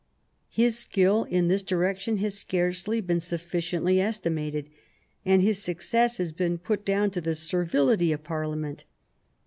His skill in this direction has scarcely been sufficiently estimated, and his success has been put down to the servility of Parlia ment.